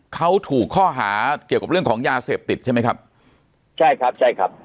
เขาถูกข้อหาเกี่ยวกับเรื่องของยาเสพติดใช่ไหมครับใช่ครับใช่ครับ